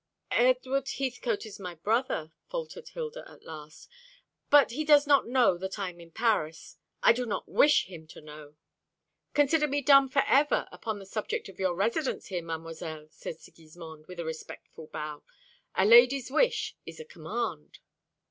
"Edward Heathcote is my brother," faltered Hilda, at last, "but he does not know that I am in Paris. I do not wish him to know." "Consider me dumb for ever upon the subject of your residence here, Mademoiselle," said Sigismond, with a respectful bow. "A lady's wish is a command."